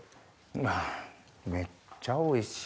あめっちゃおいしい。